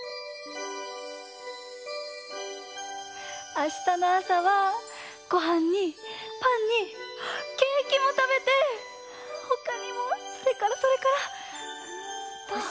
あしたのあさはごはんにパンにケーキもたべてほかにもそれからそれから！